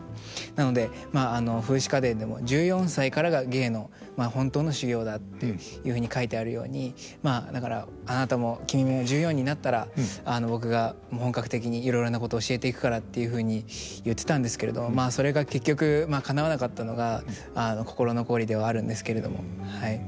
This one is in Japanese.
なので「『風姿花伝』でも１４歳からが芸の本当の修行だっていうふうに書いてあるようにまあだからあなたも君も１４になったら僕が本格的にいろいろなこと教えていくから」っていうふうに言ってたんですけれどまあそれが結局かなわなかったのが心残りではあるんですけれども。